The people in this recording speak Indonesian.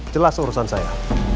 jelas urusan saya